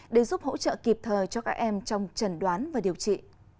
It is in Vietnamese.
để giúp hỗ trợ kịp thời cho các em trong trần đoán và điều trị